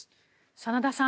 真田さん